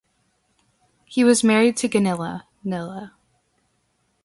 He was married to Gunilla (Nilla).